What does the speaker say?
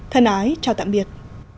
thân ái chào tạm biệt